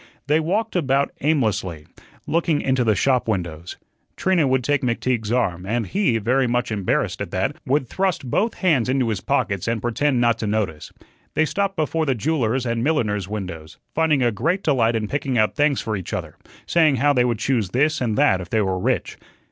They walked about aimlessly, looking into the shop windows. Trina would take McTeague's arm, and he, very much embarrassed at that, would thrust both hands into his pockets and pretend not to notice. They stopped before the jewellers' and milliners' windows, finding a great delight in picking out things for each other, saying how they would choose this and that if they were rich.